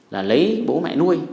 là lấy bố mẹ nuôi